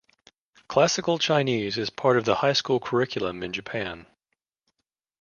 Classical Chinese is part of the high school curriculum in Japan.